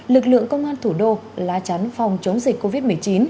lực lượng công an thủ đô la chắn phòng chống dịch covid một mươi chín